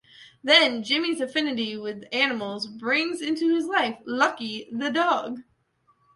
Then Jimmy's affinity with animals brings into his life 'Lucky' the dog.